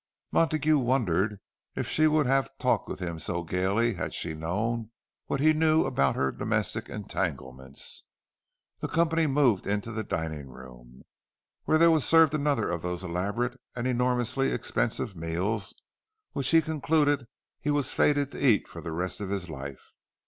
Montague wondered if she would have talked with him so gaily had she known what he knew about her domestic entanglements. The company moved into the dining room, where there was served another of those elaborate and enormously expensive meals which he concluded he was fated to eat for the rest of his life.